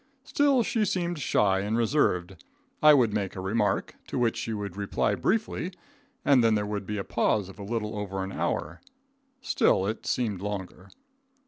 Still, she seemed shy and reserved. I would make a remark to which she would reply briefly, and then there would be a pause of a little over an hour. Still it seemed longer.